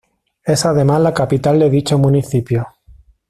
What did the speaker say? Es además la capital de dicho municipio.